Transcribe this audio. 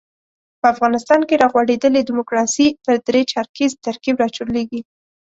په افغانستان کې را غوړېدلې ډیموکراسي پر درې چارکیز ترکیب راچورلېږي.